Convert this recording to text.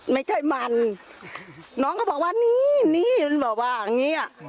ไม่ใช่มันน้องก็บอกว่านี่นี่มันบอกว่าอย่างงี้อ่ะ